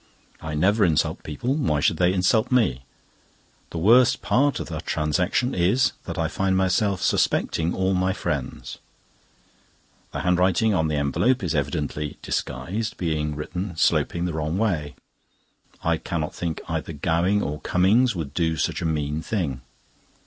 I never insult people; why should they insult me? The worst part of the transaction is, that I find myself suspecting all my friends. The handwriting on the envelope is evidently disguised, being written sloping the wrong way. I cannot think either Gowing or Cummings would do such a mean thing.